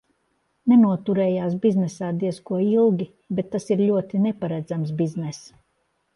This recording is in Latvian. Nenoturējās biznesā diez ko ilgi, bet tas ir ļoti neparedzams bizness.